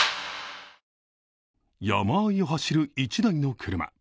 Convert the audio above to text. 山あいを走る一台の車。